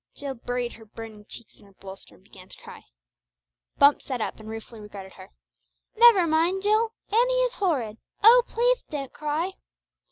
Jill buried her burning cheeks in her bolster, and began to cry. Bumps sat up and ruefully regarded her. "Never mind, Jill. Annie is horrid. Oh, pleath don't cry!"